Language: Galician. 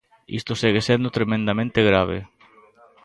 Isto segue sendo tremendamente grave.